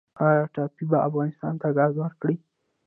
آیا ټاپي به افغانستان ته ګاز ورکړي؟